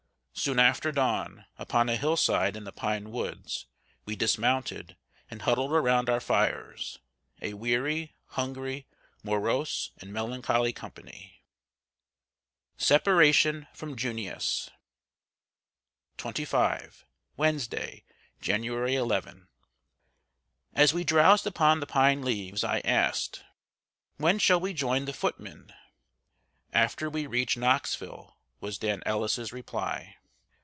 Soon after dawn, upon a hill side in the pine woods, we dismounted, and huddled around our fires, a weary, hungry, morose, and melancholy company. [Sidenote: SEPARATION FROM "JUNIUS."] XXV. Wednesday, January 11. As we drowsed upon the pine leaves, I asked: "When shall we join the footmen?" "After we reach Knoxville," was Dan Ellis's reply.